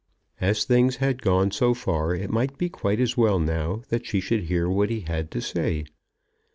As things had gone so far it might be quite as well now that she should hear what he had to say.